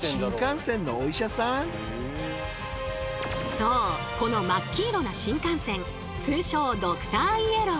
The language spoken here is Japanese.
そうこの真っ黄色な新幹線通称「ドクターイエロー」。